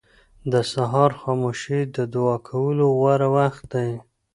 • د سهار خاموشي د دعا کولو غوره وخت دی.